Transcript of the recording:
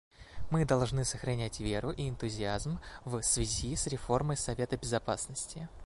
Мы должны сохранять веру и энтузиазм в связи с реформой Совета Безопасности.